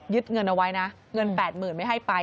ยึดเงินเอาไว้นะเงินแปดหมื่นไม่ให้ไป